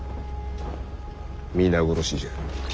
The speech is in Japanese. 皆殺しじゃ。